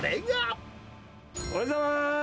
おはようございます！